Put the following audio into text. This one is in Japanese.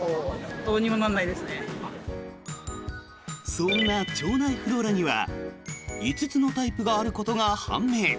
そんな腸内フローラには５つのタイプがあることが判明。